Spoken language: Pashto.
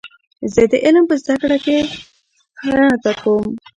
زه د علم په زده کړه کې نه هڅه کوم.